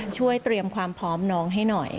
ช่วยเตรียมความพร้อมน้องให้หน่อย